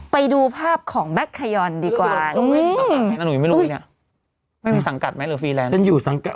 ไปดูภาพของแก๊คขยอนดีกว่า